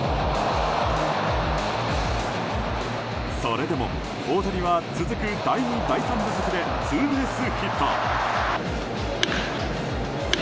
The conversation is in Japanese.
それでも大谷は続く第２、第３打席でツーベースヒット。